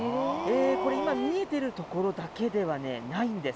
これ、今、見えているところだけではないんです。